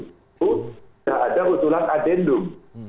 sudah ada usulan adendum